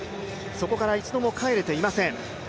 そこから一度も帰れていません。